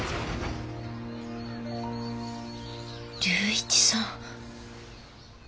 龍一さん。